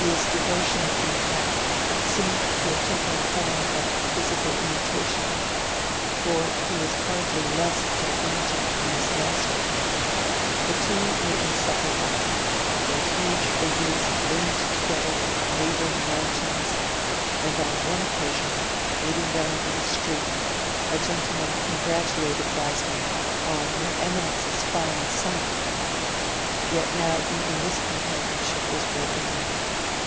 His devotion, in fact, seemed to have taken the form of physical imitation, for he was hardly less gigantic than his master. The two were inseparable; their huge figures loomed together like neighbouring mountains; and on one occasion, meeting them in the street, a gentleman congratulated Wiseman on 'your Eminence's fine son'. Yet now even this companionship was broken up.